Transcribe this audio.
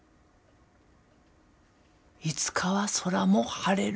いつかは空も晴れる。